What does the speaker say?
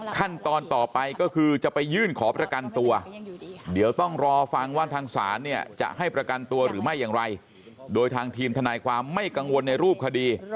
ขั้นตอนต่อไปก็คือจะไปยื่นขอประกันตัวเดี๋ยวต้องรอฟังว่าทางศาลเนี่ยจะให้ประกันตัวหรือไม่อย่างไรโดยทางทีมทนายความไม่กังวลในรูปคดี